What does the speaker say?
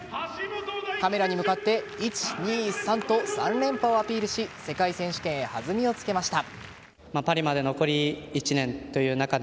カメラに向かって１、２、３と３連覇をアピールし世界選手権へ弾みをつけました。